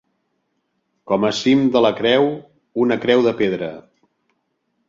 Com a cim de la creu, una creu de pedra.